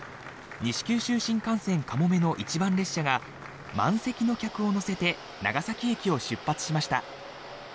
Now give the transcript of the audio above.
西九州新幹線かもめの一番列車が満席の客を乗せて長崎駅を出発しました。